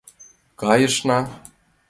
— Кайышна.